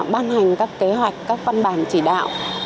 ban hành các kế hoạch các văn bản các kế hoạch các kế hoạch các kế hoạch